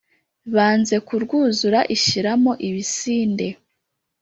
banze kurwuzura ishyiramo ibisinde.